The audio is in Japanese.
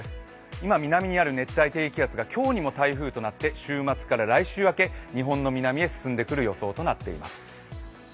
今、南にある熱帯低気圧が今日にも台風になって週末から来週明け日本の南へ進んでくる予想となっています。